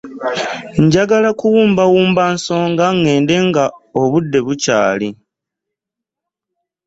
Njagala kuwumbawumba nsonga ŋŋende nga bukyali.